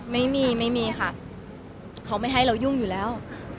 ไม่มีไม่มีค่ะเขาไม่ให้เรายุ่งอยู่แล้ว